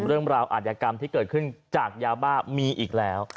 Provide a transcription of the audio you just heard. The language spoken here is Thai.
เรื่องราวอัตยากรรมที่เกิดขึ้นจากยาวบ้านมีอีกแล้ว